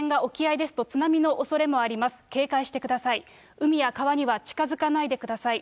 海や川には近づかないでください。